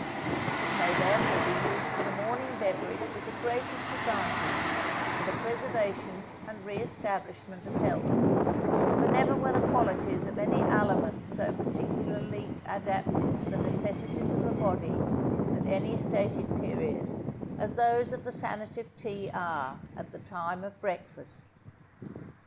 It may therefore be used as a morning beverage with the greatest advantage, for the preservation and re establishment of health; for never were the qualities of any aliment so particularly adapted to the necessities of the body at any stated period as those of the sanative tea are at the time of breakfast.